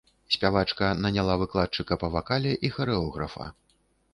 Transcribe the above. Спявачка наняла выкладчыка па вакале і харэографа.